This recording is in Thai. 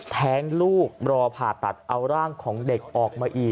แท้งลูกรอผ่าตัดเอาร่างของเด็กออกมาอีก